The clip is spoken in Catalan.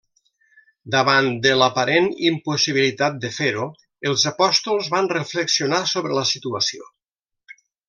Davant de l'aparent impossibilitat de fer-ho, els apòstols van reflexionar sobre la situació.